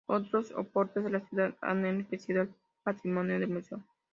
Otros aportes de la ciudadanía han enriquecido el patrimonio del museo.